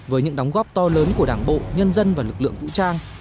với những đóng góp to lớn của đảng bộ nhân dân và lực lượng vũ trang